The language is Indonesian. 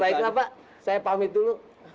baiklah pak saya pamit dulu